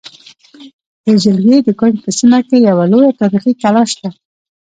د جلگې د کونج په سیمه کې یوه لویه تاریخې کلا شته